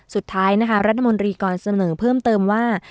สุดท้ายนะคะรัฐมนตรีก่อนเสนอเพิ่มเติมว่า